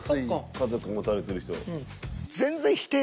家族持たれてる人。